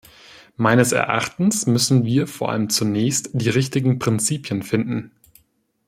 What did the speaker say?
Meines Erachtens müssen wir vor allem zunächst die richtigen Prinzipien finden.